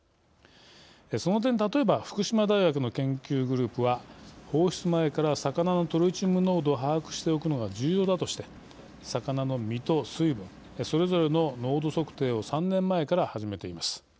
その点、例えば福島大学の研究グループは放出前から魚のトリチウム濃度を把握しておくのが重要だとして魚の身と水分それぞれの濃度測定を３年前から始めています。